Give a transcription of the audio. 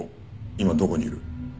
今どこにいる？